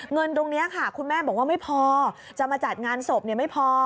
เงินตรงนี้ค่ะคุณแม่บอกว่าไม่พอจะมาจัดงานศพไม่พอ